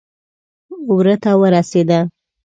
وره ته ورسېده.